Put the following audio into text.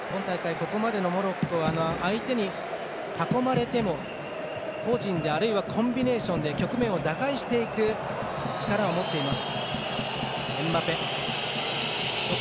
ここまでのモロッコは相手に囲まれても個人であるいはコンビネーションで局面を打開していく力を持っています。